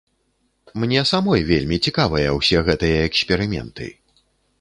Мне самой вельмі цікавыя ўсе гэтыя эксперыменты.